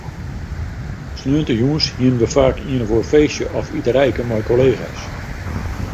Sneontejûns hiene we faak ien of oar feestje of iterijke mei kollega's.